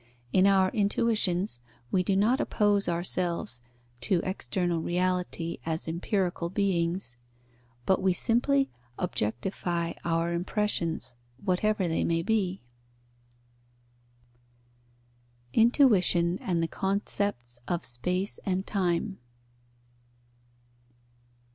In our intuitions we do not oppose ourselves to external reality as empirical beings, but we simply objectify our impressions, whatever they be. _Intuition and the concepts of space and time.